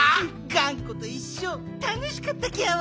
がんこといっしょたのしかったギャオ。